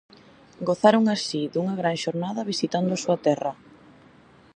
Gozaron así dunha gran xornada visitando a súa terra.